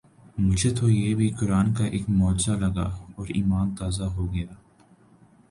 مجھے تو یہ بھی قرآن کا ایک معجزہ لگا اور ایمان تازہ ہوگیا